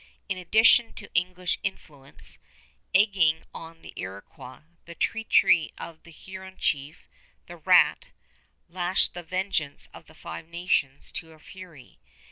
In addition to English influence egging on the Iroquois, the treachery of the Huron chief, The Rat, lashed the vengeance of the Five Nations to a fury.